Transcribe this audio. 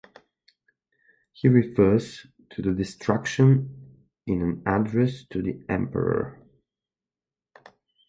He refers to the destruction in an address to the emperor.